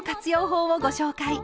法をご紹介。